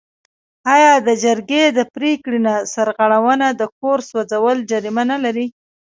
آیا د جرګې د پریکړې نه سرغړونه د کور سوځول جریمه نلري؟